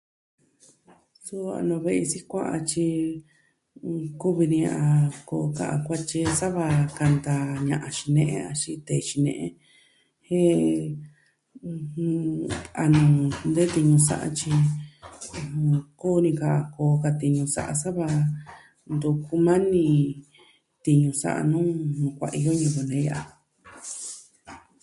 Suu a nuu ve'i sikua'a tyi kuvi ni a koo ka a kuatyi sava kanta ña'an xine'e axin tee xine'e jen... a nuu de tiñu sa'a tyi, ɨjɨn... koo ni ka, koo ka tiñu sa'a sa va ntu kumani tiñu sa'a nuu kuaiyo ñivi nee ya'a.